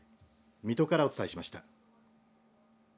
水戸からお伝えしました。